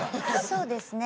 そうですね。